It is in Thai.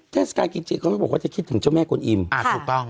เทศกาลกินจีนเขาก็บอกว่าจะคิดถึงเจ้าแม่กวนอิมถูกต้อง